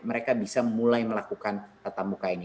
mereka bisa mulai melakukan tatap muka ini